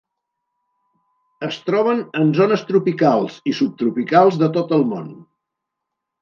Es troben en zones tropicals i subtropicals de tot el món.